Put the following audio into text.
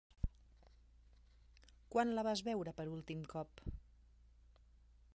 Quan la vas veure per últim cop?